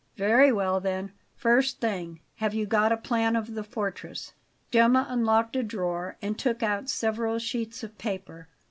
"Very well, then First thing; have you got a plan of the fortress?" Gemma unlocked a drawer and took out several sheets of paper.